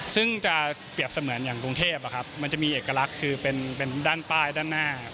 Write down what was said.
ซึ่งจะเปรียบเสมือนอย่างกรุงเทพมันจะมีเอกลักษณ์คือเป็นด้านป้ายด้านหน้า